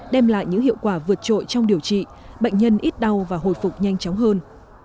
đem lại những hiệu quả vượt trội trong điều trị bệnh nhân ít đau và hồi phục nhanh chóng hơn